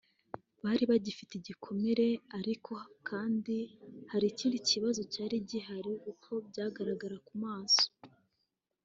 Bari bagifite ibikomere ariko kandi hari ikindi kibazo cyari gihari uko byagaragaraga ku maso